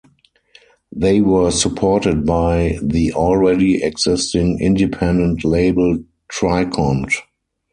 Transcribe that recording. They were supported by the already existing independent label Trikont.